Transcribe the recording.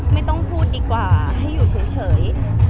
ไม่ต้องพูดดีกว่าให้อยู่เฉย